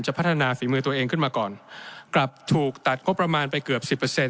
จะพัฒนาฝีมือตัวเองขึ้นมาก่อนกลับถูกตัดโคประมาณไปเกือบ๑๐